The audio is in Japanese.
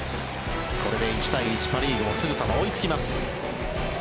これで１対１、パ・リーグもすぐさま追いつきます。